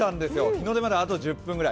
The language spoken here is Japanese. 日の出まであと１０分ぐらい。